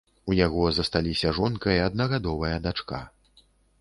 У яго засталіся жонка і аднагадовая дачка.